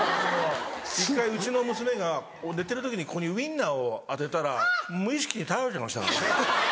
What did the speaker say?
１回うちの娘が寝てる時にここにウインナーを当てたら無意識に食べてましたから。